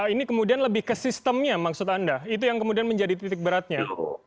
ini kemudian lebih ke sistemnya maksud anda itu yang kemudian menjadi titik beratnya